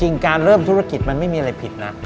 การเริ่มธุรกิจมันไม่มีอะไรผิดนะ